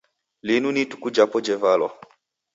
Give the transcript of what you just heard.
Linu ni ituku japo jevalwa.